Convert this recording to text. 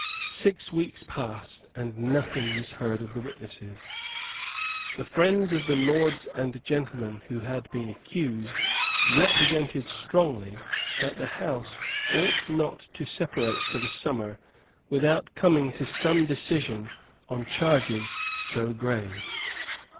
Six weeks passed, and nothing was heard of the witnesses. The friends of the lords and gentlemen who had been accused represented strongly that the House ought not to separate for the summer without coming to some decision on charges so grave.